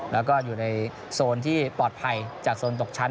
แล้วก็อยู่ในโซนที่ปลอดภัยจากโซนตกชั้น